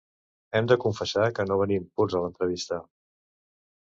Hem de confessar que no venim purs a l’entrevista.